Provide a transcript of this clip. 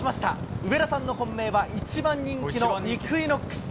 上田さんの本命は、１番人気のイクイノックス。